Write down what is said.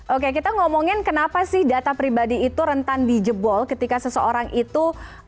oke kita ngomongin kenapa sih data pribadi itu rentan dijebol ketika seseorang itu